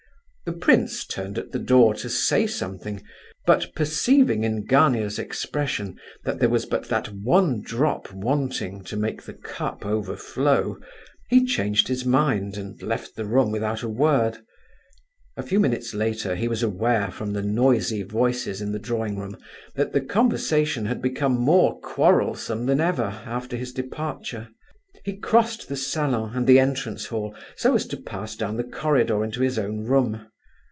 The prince turned at the door to say something, but perceiving in Gania's expression that there was but that one drop wanting to make the cup overflow, he changed his mind and left the room without a word. A few minutes later he was aware from the noisy voices in the drawing room, that the conversation had become more quarrelsome than ever after his departure. He crossed the salon and the entrance hall, so as to pass down the corridor into his own room.